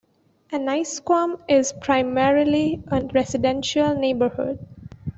Annisquam is primarily a residential neighborhood.